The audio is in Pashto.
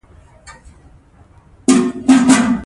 نمک د افغانانو ژوند اغېزمن کوي.